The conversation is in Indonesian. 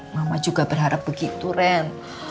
mama juga berharap begitu ren